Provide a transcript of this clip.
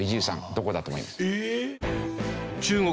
どこだと思いますか？